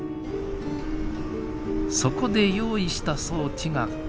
そこで用意した装置がこちら。